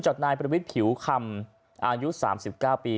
จอดนายประวิษฐ์ผิวคนภรรย์อายุ๓๙ปี